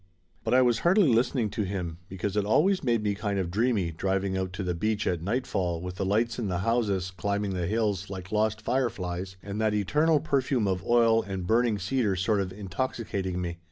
But I was hardly listening to him, because it always made me kind of dreamy driving out to the beach at nightfall with the lights in the houses climbing the hills like lost fireflies, and that eternal perfume of oil and burning cedar sort of intoxicating me.